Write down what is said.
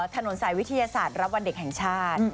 ถนนสายวิทยาศาสตร์รับวันเด็กแห่งชาติ